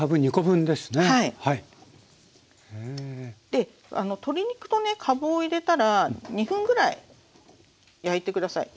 で鶏肉とかぶを入れたら２分ぐらい焼いて下さい。